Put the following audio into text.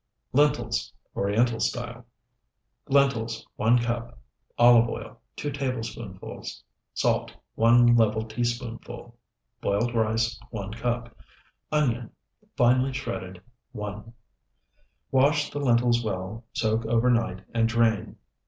LENTILS (ORIENTAL STYLE) Lentils, 1 cup. Olive oil, 2 tablespoonfuls. Salt, 1 level teaspoonful. Boiled rice, 1 cup. Onion, finely shredded, 1. Wash the lentils well, soak overnight, and drain.